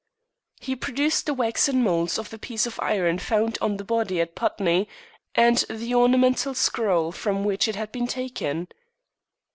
He produced the waxen moulds of the piece of iron found on the body at Putney, and the ornamental scroll from which it had been taken.